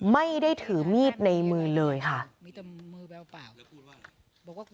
ไม่ได้ถือมีดในมือเลยค่ะ